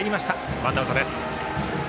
ワンアウトです。